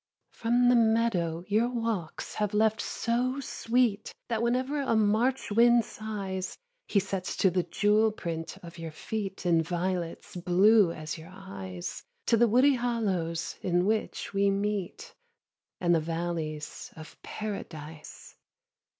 From the meadow your walks have left so sweet That whenever a March wind sighs He sets the jewel print of your feet In violets blue as your eyes, To the woody hollows in which we meet And the valleys of Paradise.